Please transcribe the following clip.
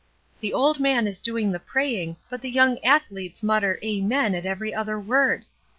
The old man is doing the praying, but the yoimg athletes mutter 'amen' at every other word.